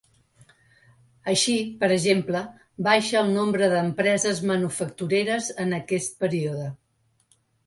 Així, per exemple, baixa el nombre d’empreses manufactureres en aquest període.